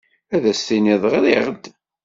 Ad as-tinid ɣriɣ-d?